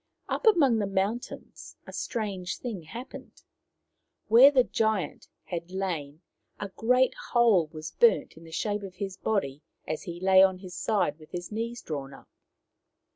Up among the mountains a strange thing hap pened. Where the giant had lain a great hole was burnt in the shape of his body as he lay on his side with his knees drawn up.